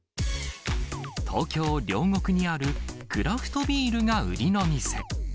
東京・両国にあるクラフトビールが売りの店。